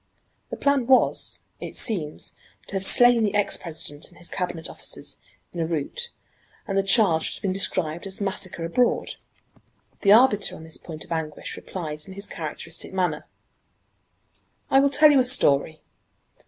The plan was, it seems, to have slain the ex President and his Cabinet officers in a rout, and the charge would have been described as massacre abroad. The arbiter on this point of anguish replied in his characteristic manner: "I will tell you a story.